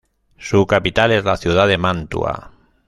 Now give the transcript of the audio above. Su capital es la ciudad de Mantua.